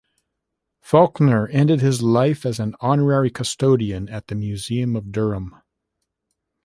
Falkner ended his life as an honorary custodian at the museum of Durham.